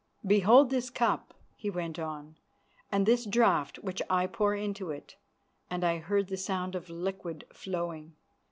"Behold this cup," he went on, "and this draught which I pour into it," and I heard the sound of liquid flowing.